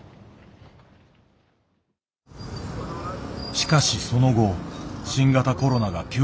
しかしその後新型コロナが急拡大。